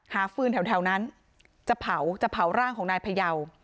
ฟืนแถวนั้นจะเผาจะเผาร่างของนายพยาว